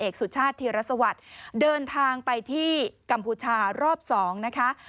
กัมพูชารอบ๒นะคะ